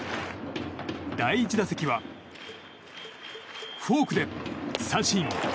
第１打席はフォークで三振。